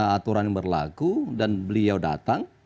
aturan yang berlaku dan beliau datang